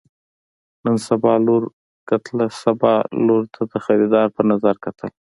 نن ستا لور کتله سبا زما لور ته د خريدار په نظر کتل.